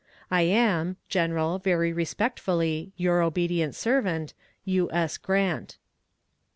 I am, General, very respectfully, your obedient servant, U. S. GRANT.